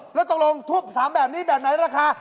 เออและตรงรวมทูปสามแบบนี้แบบไหนราคา